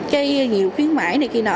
cái nhiều khuyến mãi này kia nọ